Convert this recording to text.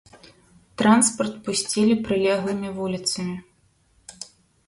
Транспарт пусцілі прылеглымі вуліцамі.